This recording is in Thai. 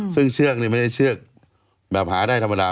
ซึ่งเชือกนี่ไม่ใช่เชือกแบบหาได้ธรรมดา